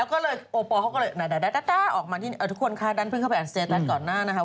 ขอบคุณทุกคนคะดันเข้าไปอันสเตรดต่อหน้านะครับ